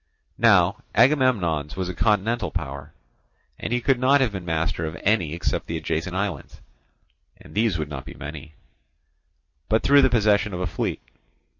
Now Agamemnon's was a continental power; and he could not have been master of any except the adjacent islands (and these would not be many), but through the possession of a fleet.